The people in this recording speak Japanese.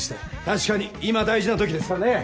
確かに今大事なときですからね。